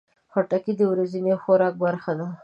خټکی د ورځني خوراک برخه ده.